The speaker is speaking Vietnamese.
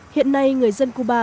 hiện nay người dân cuba